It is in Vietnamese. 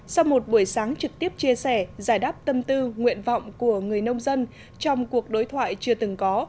sau một buổi sáng trực tiếp chia sẻ giải đáp tâm tư nguyện vọng của người nông dân trong cuộc đối thoại chưa từng có